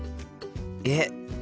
えっ？